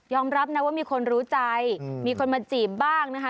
รับนะว่ามีคนรู้ใจมีคนมาจีบบ้างนะคะ